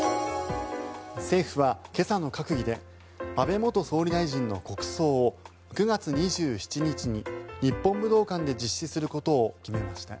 政府は今朝の閣議で安倍元総理大臣の国葬を９月２７日に日本武道館で実施することを決めました。